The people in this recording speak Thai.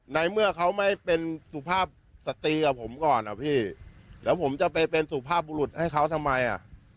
ในเมื่อเขาไม่เป็นสุภาพสตรีกับผมก่อนอ่ะพี่แล้วผมจะไปเป็นสุภาพบุรุษให้เขาทำไมอ่ะ